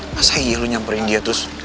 masa iya lu nyamperin dia terus